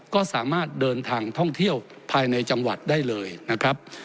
ก็สามารถเดินทางท่องเที่ยวภายในจังหวัดได้เลยนะครับ